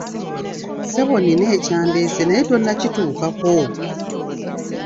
Ssebo nnina ekyandeese naye tonnakituukako!